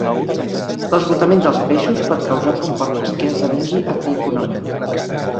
L'esgotament dels peixos pot causar que un port pesquer esdevingui antieconòmic.